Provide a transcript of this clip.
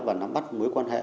và nắm bắt mối quan hệ